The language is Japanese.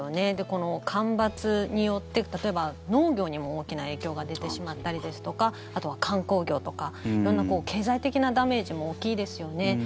この干ばつによって例えば農業にも大きな影響が出てしまったりですとかあとは観光業とか色んな経済的なダメージも大きいですよね。